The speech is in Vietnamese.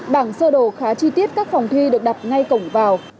bảng sơ đồ khá chi tiết các phòng thi được đặt ngay cổng vào